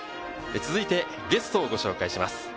続いてゲストご紹介します。